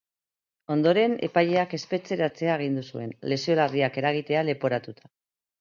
Ondoren, epaileak espetxeratzea agindu zuen, lesio larriak eragitea leporatuta.